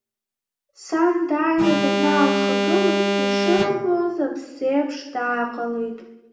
Сан дааины данаалхагыла, ишызбоз аԥсы иеиԥш дааҟалеит…